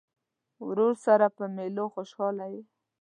ورور سره په مېلو خوشحاله یې.